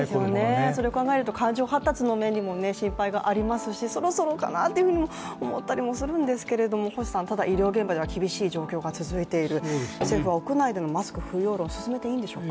それを考えると感情発達の面でも心配がありますしそろそろかなと思ったりもするんですけれどもただ、医療現場では厳しい状況が続いているそんな中、屋内でのマスク不要の議論進めていいんでしょうか。